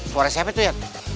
suara siapa itu ya